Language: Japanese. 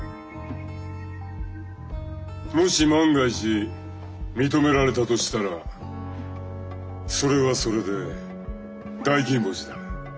もし万が一認められたとしたらそれはそれで大金星だ。